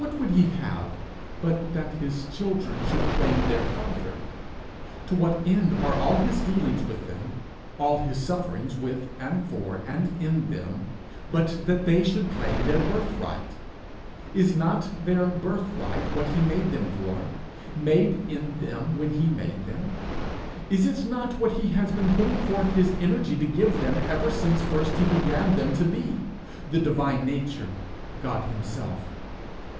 What would he have, but that his children should claim their father? To what end are all his dealings with them, all his sufferings with and for and in them, but that they should claim their birthright? Is not their birthright what he made them for, made in them when he made them? Is it not what he has been putting forth his energy to give them ever since first he began them to be the divine nature, God himself?